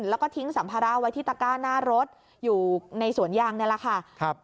แล้วก็ทิ้งสัมภาระไว้ที่ตะก้าหน้ารถอยู่ในสวนยางนี่แหละค่ะครับ